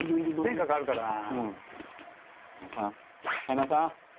「前科があるからな」